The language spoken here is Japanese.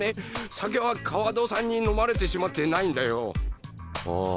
酒は川戸さんに飲まれてしまってないんだよああ